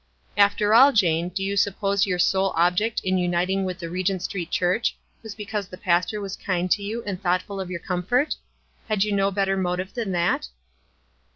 "After all, Jane, do you suppose your sole object in uniting with the Regent St. Church was because the pastor was kind to 3*011 and thoughtful of your comfort? Had you no bet ter motive than that?"